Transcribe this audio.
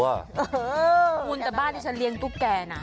คุณแต่บ้านที่ฉันเลี้ยงตุ๊กแก่นะ